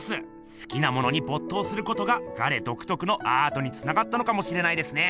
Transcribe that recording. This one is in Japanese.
すきなものにぼっ頭することがガレどくとくのアートにつながったのかもしれないですね！